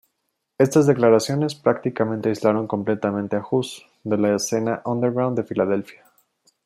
Estas declaraciones prácticamente aislaron completamente a Jus de la escena underground de Filadelfia.